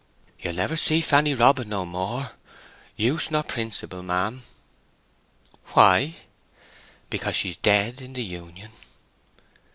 "You'll never see Fanny Robin no more—use nor principal—ma'am." "Why?" "Because she's dead in the Union."